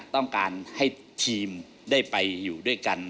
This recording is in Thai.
ต้องการให้ทีมได้ไปอยู่ด้วยกัน